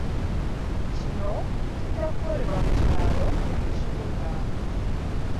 Kino kijja kukolebwa mu kyalo ne mu kibuga.